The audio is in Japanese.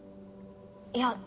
いや。